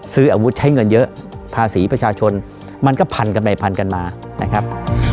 ซื้ออาวุธใช้เงินเยอะภาษีประชาชนมันก็พันกันไปพันกันมานะครับ